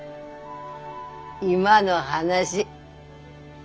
今の話。